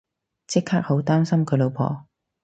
即刻好擔心佢老婆